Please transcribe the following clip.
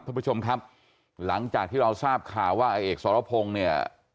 ท่านผู้ชมครับหลังจากที่เราทราบข่าวว่าไอ้เอกสรพงศ์เนี่ย